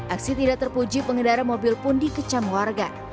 aksi tidak terpuji pengendara mobil pun dikecam warga